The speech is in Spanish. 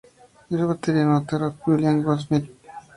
Ese batería no era otro que William Goldsmith.